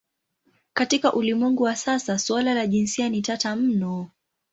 Katika ulimwengu wa sasa suala la jinsia ni tata mno.